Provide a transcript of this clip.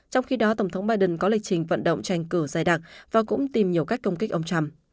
trong khi đó tổng thống biden có lịch trình vận động tranh cử dài đặc và cũng tìm nhiều cách công kích ông trump